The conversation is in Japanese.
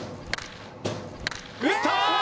打った！